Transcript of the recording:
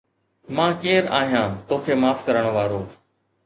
مان ڪير آهيان توکي معاف ڪرڻ وارو؟